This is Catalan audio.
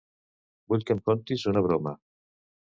Vull que em contis una broma.